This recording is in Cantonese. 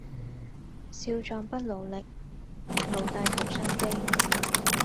少壯不努力，老大徒傷悲